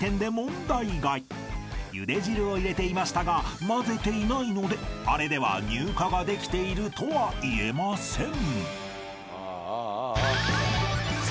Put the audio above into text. ［ゆで汁を入れていましたが混ぜていないのであれでは乳化ができているとはいえません］